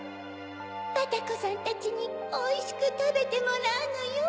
バタコさんたちにおいしくたべてもらうのよ。